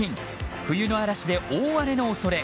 冬の嵐で大荒れの恐れ。